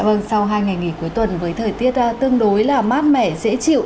vâng sau hai ngày nghỉ cuối tuần với thời tiết tương đối là mát mẻ dễ chịu